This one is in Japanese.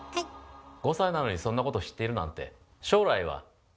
５歳なのにそんなこと知っているなんてあら！